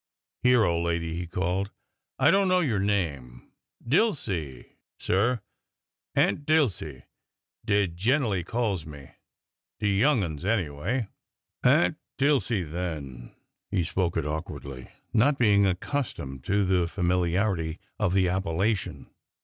'' Here, old lady !" he called. I don't know your name—" '' Dilsey, sir; ' Aunt Dilsey ' dey gen'ally calls me,— de young ones, anyway." " Aunt Dilsey, then." He spoke it awkwardly, not being accustomed to the familiarity of the appellation.